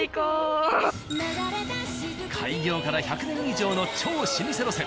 開業から１００年以上の超老舗路線。